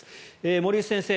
森内先生